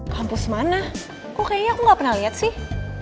kampus mana kok kayaknya aku gak pernah lihat sih